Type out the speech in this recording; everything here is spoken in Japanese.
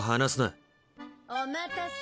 お待たせ。